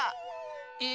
え？